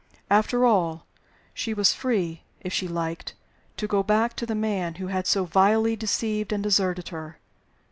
After all, she was free (if she liked) to go back to the man who had so vilely deceived and deserted her.